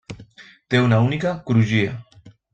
Té una única crugia.